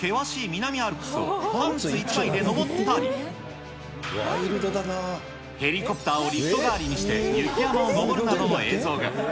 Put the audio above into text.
南アルプスをパンツ１枚で登ったり、ヘリコプターをリフト代わりにして雪山を登るなどの映像が。